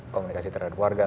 komunikasi terhadap keluarga